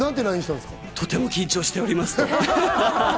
とても緊張しておりますと。